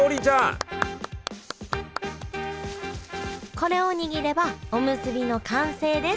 これを握ればおむすびの完成です